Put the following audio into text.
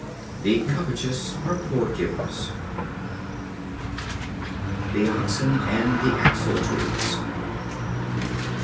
The covetous are poor givers. The Oxen and the Axle Trees.